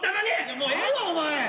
もうええわお前！